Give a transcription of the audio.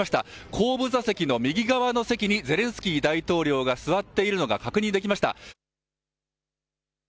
後部座席の右側の席に、ゼレンスキー大統領が座っているのが確認できました。